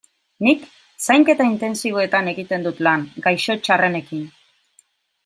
Nik Zainketa Intentsiboetan egiten dut lan, gaixo txarrenekin.